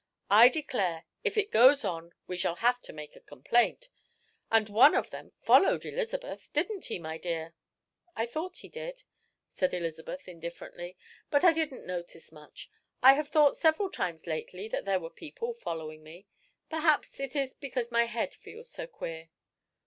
I declare, if it goes on, we shall have to make a complaint. And one of them followed Elizabeth didn't he, my dear?" "I thought he did," said Elizabeth, indifferently, "but I didn't notice much. I have thought several times lately that there were people following me. Perhaps it is because my head feels so queer."